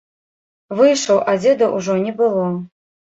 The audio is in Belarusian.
Выйшаў, а дзеда ўжо не было.